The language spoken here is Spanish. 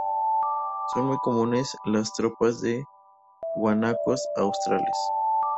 Son muy comunes las tropas de guanacos australes.